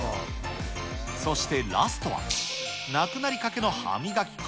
そしてラストは、なくなりかけの歯磨き粉。